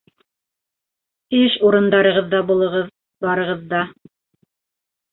Эш урындарығыҙҙа булығыҙ барығыҙ ҙа...